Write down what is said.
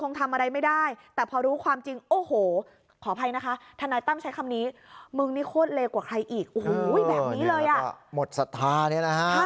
โอ้โหไม่แบบนี้เลยอะใช่ค่ะเดี๋ยวเราก็หมดสถานี้นะฮะ